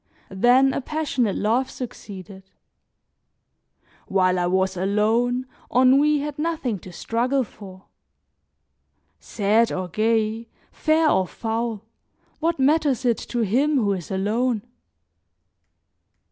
Then a passionate love succeeded; while I was alone, ennui had nothing to struggle for. Sad or gay, fair or foul, what matters it to him who is alone?